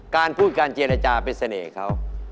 การพูดการเจรจาเป็นเสน่ห์เขา